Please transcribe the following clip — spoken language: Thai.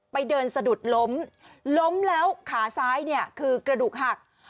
ไปเดินสะดุดล้มล้มแล้วขาซ้ายเนี่ยคือกระดูกหัก